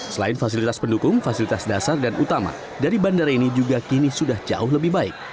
selain fasilitas pendukung fasilitas dasar dan utama dari bandara ini juga kini sudah jauh lebih baik